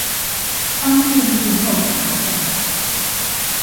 方便日後查找